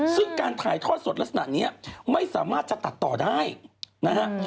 ซึ่งการถ่ายทอดสดลักษณะนี้ไม่สามารถจะตัดต่อได้นะฮะ